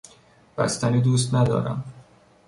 بستنی دوست ندارم.